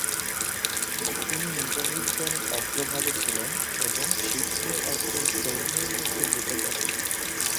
তিনি মুজাহিদগণের অগ্রভাগে ছিলেন এবং শিখদের একদল সৈন্যের মধ্যে ঢুকে পড়েন।